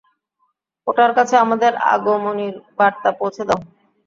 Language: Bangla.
ওটার কাছে আমাদের আগমনীর বার্তা পৌঁছে দাও!